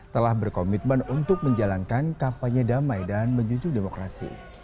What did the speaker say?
telah berkomitmen untuk menjalankan kampanye damai dan menjunjung demokrasi